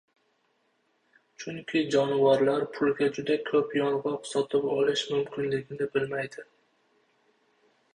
Chunki jonivorlar pulga juda koʻp yongʻoq sotib olish mumkinligini bilmaydi.